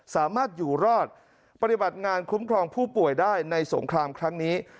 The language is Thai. สามารถอยู่รอดปฏิบัติงานคุ้มครองผู้ป่วยได้ในสงครามครั้งนี้